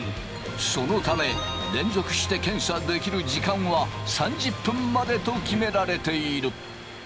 そのため連続して検査できる時間は３０分までと決められている。